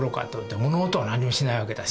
物音が何もしないわけだし。